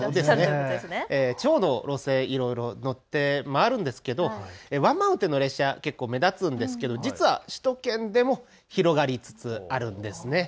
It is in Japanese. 地方の路線、いろいろ乗っているんですがワンマン運転の列車が目立つんですが実は首都圏でも広がりつつあるんです。